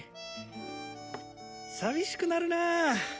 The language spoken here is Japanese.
寂しくなるなあ。